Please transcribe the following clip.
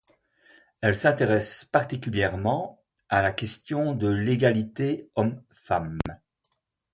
Elle s'intéresse particulièrement à la question de l'égalité hommes-femmes.